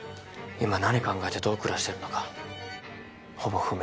今何考えてどう暮らしてるのかほぼ不明